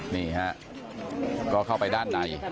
นี่ฮะก็เข้าไปด้านใน